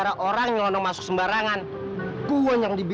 dan lo juga gak penting ya